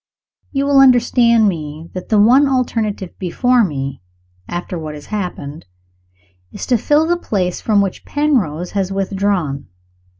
You will understand that the one alternative before me, after what has happened, is to fill the place from which Penrose has withdrawn.